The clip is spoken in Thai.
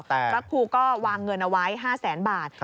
พระครูก็วางเงินเอาไว้๕แสนบาท